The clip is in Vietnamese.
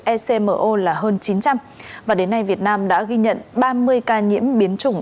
ecmo là hơn chín trăm linh và đến nay việt nam đã ghi nhận ba mươi ca nhiễm biến chủng